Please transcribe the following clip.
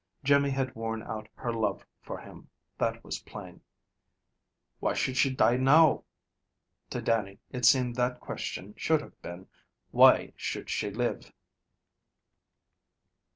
Jimmy had worn out her love for him, that was plain. "Why should she die now?" To Dannie it seemed that question should have been, "Why should she live?"